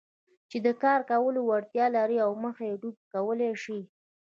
چې د کار کولو وړتیا لري او مخه يې ډب کولای شي.